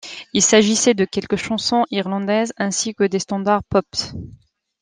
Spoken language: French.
Il s'agissait de quelques chansons irlandaises ainsi que de standards pops.